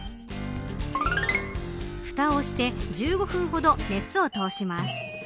ふたをして１５分ほど熱を通します。